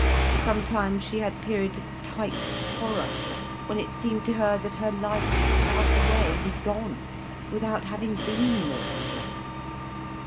Sometimes she had periods of tight horror, when it seemed to her that her life would pass away, and be gone, without having been more than this.